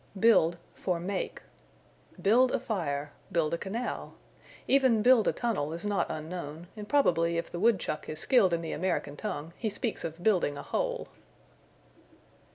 Build for Make. "Build a fire." "Build a canal." Even "build a tunnel" is not unknown, and probably if the wood chuck is skilled in the American tongue he speaks of building a hole.